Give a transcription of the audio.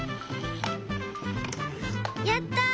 やった！